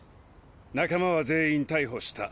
仲間は全員逮捕した。